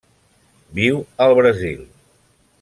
Viu al Brasil.